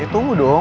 ya tunggu dong